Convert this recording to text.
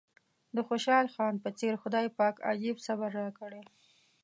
د خوشحال خان په څېر خدای پاک عجيب صبر راکړی.